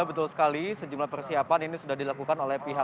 betul sekali sejumlah persiapan ini sudah dilakukan oleh pihak